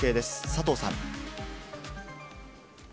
佐藤さん。